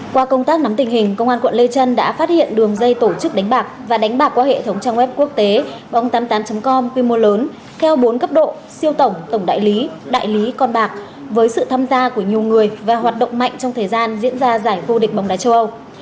qua công tác nắm tình hình công an quận lê trân đã phát hiện đường dây tổ chức đánh bạc và đánh bạc qua hệ thống trang web quốc tế bóng tám mươi tám com quy mô lớn theo bốn cấp độ siêu tổng tổng đại lý đại lý con bạc với sự tham gia của nhiều người và hoạt động mạnh trong thời gian diễn ra giải vô địch bóng đá châu âu